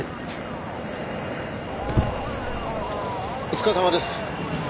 お疲れさまです。